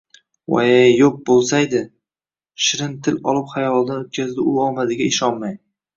«Voy-ey, yoʼq boʼlsaydi!» shirin tin olib xayolidan oʼtkazdi u omadiga ishonmay.